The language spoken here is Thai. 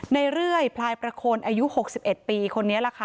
ในเรื่อยพลายประโคนอายุหกสิบเอ็ดปีคนนี้ล่ะค่ะ